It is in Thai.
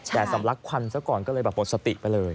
แต่สำลักควันซะก่อนก็เลยแบบหมดสติไปเลย